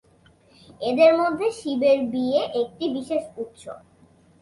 এদের মধ্যে শিবের বিয়ে একটি বিশেষ উৎসব।